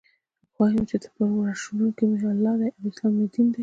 خوښ یم چې پر ورش کوونکی می الله دی او اسلام می دین دی.